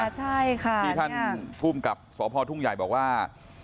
ใช่ค่ะที่ท่านภูมิกับสพทุ่งใหญ่บอกว่า